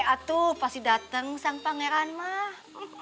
aduh pasti dateng sang pangeran mah